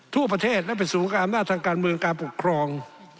ทั่วประเทศและเป็นสูงความหน้าทางการเมืองการปกครอง